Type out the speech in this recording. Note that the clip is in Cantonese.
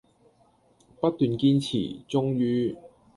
不斷堅持，終於